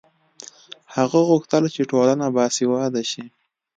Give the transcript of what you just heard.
هغه غوښتل چې ټولنه باسواده شي.